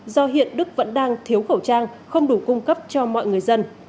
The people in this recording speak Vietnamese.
do hiện đức vẫn đang thiếu khẩu trang không đủ cung cấp cho mọi người dân